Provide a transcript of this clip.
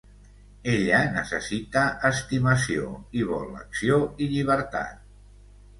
Ella necessita estimació i vol acció i llibertat.